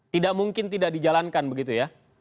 tidak mungkin tidak dijalankan begitu ya